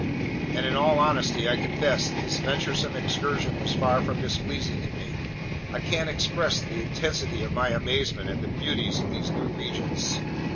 And in all honesty, I confess that this venturesome excursion was far from displeasing to me. I can't express the intensity of my amazement at the beauties of these new regions.